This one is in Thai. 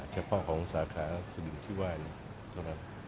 เฉพาะของสาขาสิ่งที่ไหว